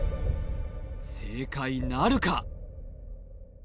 正解なるか？